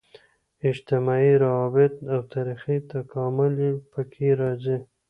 اجتماعي روابط او تاریخي تکامل یې په کې راځي.